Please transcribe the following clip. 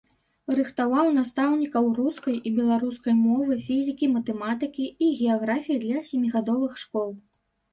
Рыхтаваў настаўнікаў рускай і беларускай мовы, фізікі, матэматыкі і геаграфіі для сямігадовых школ.